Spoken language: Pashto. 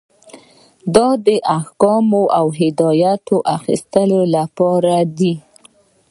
دا د احکامو او هدایت د اخیستلو لپاره دی.